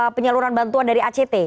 penyaluran bantuan dari act